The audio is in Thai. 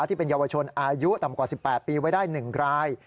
ที่เป็นเยาวชนอายุต่ำกว่า๑๘ปีไว้ได้๑ราย